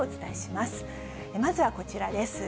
まずはこちらです。